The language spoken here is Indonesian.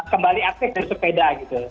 kembali aktif di sepeda